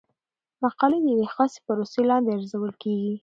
مقالې د یوې خاصې پروسې لاندې ارزول کیږي.